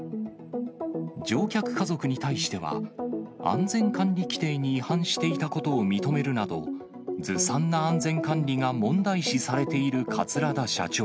乗客家族に対しては、安全管理規程に違反していたことを認めるなど、ずさんな安全管理が問題視されている桂田社長。